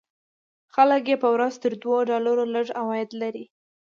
خلک یې په ورځ تر دوو ډالرو لږ عواید لري.